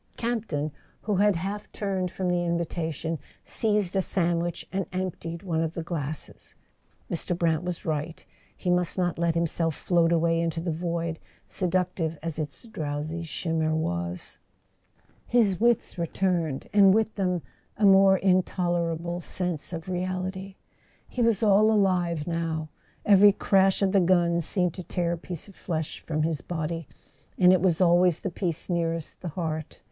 Campton, who had half turned from the invitation, seized a sandwich and emptied one of the glasses. Mr. Brant was right; he must not let himself float away into the void, seductive as its drowsy shimmer was. His wits returned, and with them a more intolerable sense of reality. He was all alive now. Every crash of the guns seemed to tear a piece of flesh from his body; and it was always the piece nearest the heart.